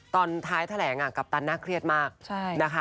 ตอนท้ายแทแหลงกัปตันน่าเครียดมาก